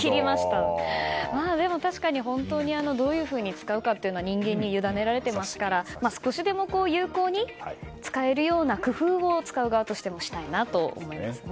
確かに本当にどういうふうに使うのかは人間にゆだねられていますから少しでも有効に使えるような工夫を使う側としてもしたいなと思いますね。